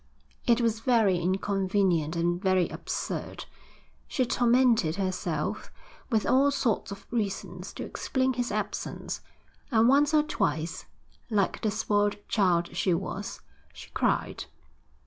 It was very inconvenient and very absurd. She tormented herself with all sorts of reasons to explain his absence, and once or twice, like the spoiled child she was, she cried.